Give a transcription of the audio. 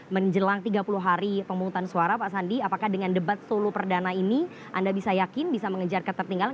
menjelang tiga puluh hari pemungutan suara pak sandi apakah dengan debat solo perdana ini anda bisa yakin bisa mengejar ketertinggalan